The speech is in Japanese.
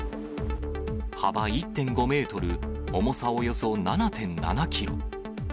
幅１．５メートル、重さおよそ７．７キロ。